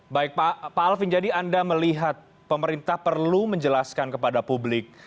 baik pak alvin jadi anda melihat pemerintah perlu menjelaskan kepada publik